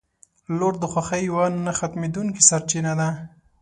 • لور د خوښۍ یوه نه ختمېدونکې سرچینه ده.